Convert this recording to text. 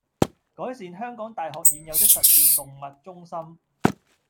改善香港大學現有的實驗動物中心